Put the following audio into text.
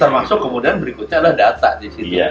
termasuk kemudian berikutnya adalah data di situ